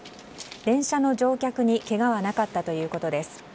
電車の乗客にけがはなかったということです。